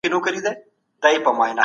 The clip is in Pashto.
خپل غاښونه په مسواک پاک ساتئ.